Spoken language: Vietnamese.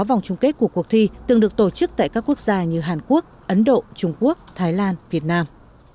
vòng chung kết của cuộc thi từng được tổ chức tại các quốc gia như hàn quốc ấn độ trung quốc thái lan việt nam